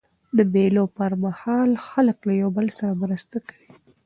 د مېلو پر مهال خلک له یو بل سره مرسته کوي.